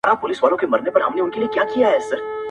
ځوان لکه مړ چي وي.